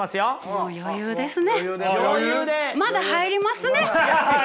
もう余裕ですよ。